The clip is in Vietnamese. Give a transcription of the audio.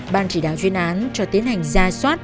bàn truyền án cho tiến hành gia soát